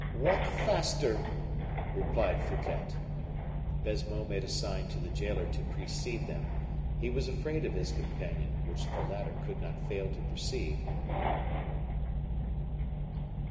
_" "Walk faster," replied Fouquet. Baisemeaux made a sign to the jailer to precede them. He was afraid of his companion, which the latter could not fail to perceive.